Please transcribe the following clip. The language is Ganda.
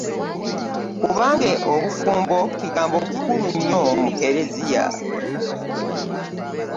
Kubanga obufumbo kigambo kikulu nnyo mu Ekeleziya